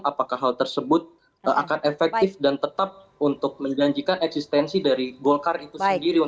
apakah hal tersebut akan efektif dan tetap untuk menjanjikan eksistensi dari golkar itu sendiri